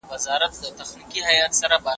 دا علم موږ ته د نوي ځای سره د تطابق درس راکوي.